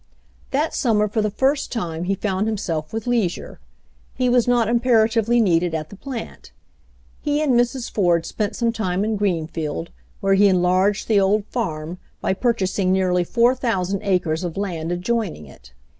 That summer, for the first time, he found him self with leisure. He was not imperatively needed at the plant. He and Mrs. Ford spent some time in Greenfield, where he enlarged the old farm by purchasing nearly four thousand acres of land adjoining it.